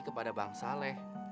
kepada bang saleh